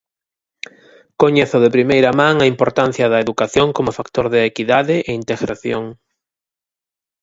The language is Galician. Coñezo de primeira man a importancia da educación como factor de equidade e integración.